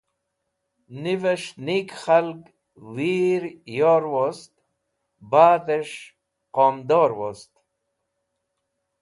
Nives̃h nik khalg wiryor wost badhẽs̃h qomdor wost.